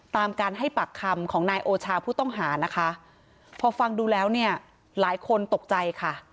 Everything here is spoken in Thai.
ตามการให้ปากคำของนายโอชาผู้ต้องหานะคะพอฟังดูแล้วเนี่ยหลายคนตกใจค่ะ